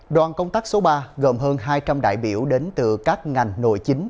đoàn công tác số ba gồm hơn hai trăm linh đại biểu đến từ các ngành nội chính